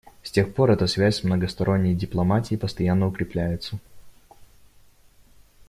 С тех пор эта связь с многосторонней дипломатией постоянно укрепляется.